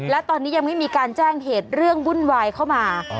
และตอนนี้ยังไม่มีการแจ้งเหตุเรื่องวุ่นวายเข้ามา